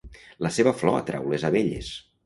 la seva flor atrau les abelles